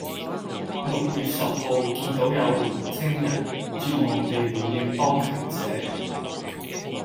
六月十號見到有年青人絕望地回應當權者